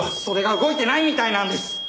それが動いてないみたいなんです。